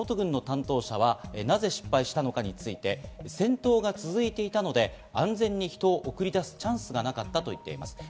ウクライナの地元軍の担当者は、なぜ失敗したのかについて戦闘が続いていたので、安全に人を送り出すチャンスがなかったと言っています。